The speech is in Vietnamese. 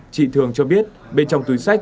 chị thường cho biết bên trong túi sách